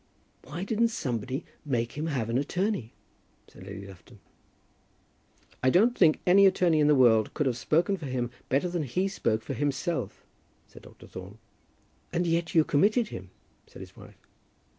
"Why didn't somebody make him have an attorney?" said Lady Lufton. "I don't think any attorney in the world could have spoken for him better than he spoke for himself," said Dr. Thorne. "And yet you committed him," said his wife.